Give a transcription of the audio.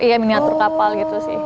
iya miniatur kapal gitu sih